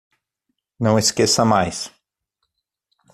Não esqueça mais